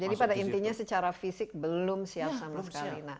jadi pada intinya secara fisik belum siap sama sekali